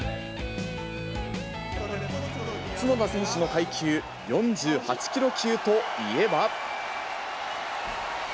角田選手の階級、４８キロ級といえば。